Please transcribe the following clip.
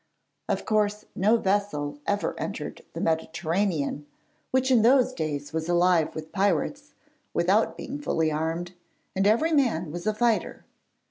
Of course, no vessel ever entered the Mediterranean, which in those days was alive with pirates, without being fully armed, and every man was a fighter.